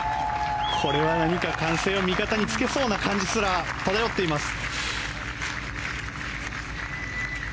これは何か歓声を味方につけそうな感じすら漂っています。